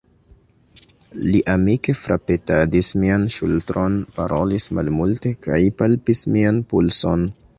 Li amike frapetadis mian ŝultron, parolis malmulte kaj palpis mian pulson.